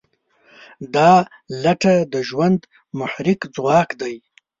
دا لټه د ژوند محرک ځواک دی.